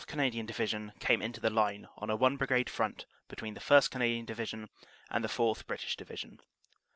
Canadian Divi sion came into the line on a one Brigade front between the 1st. Canadian Division and the 4th. (British) Division.